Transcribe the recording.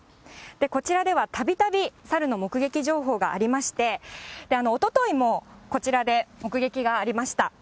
こちらでは、たびたびサルの目撃情報がありまして、おとといも、こちらで目撃がありました。